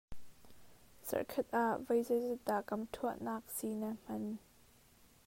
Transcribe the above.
Zarhkhat ah voi zeizat dah kam ṭhuahnak si na hman?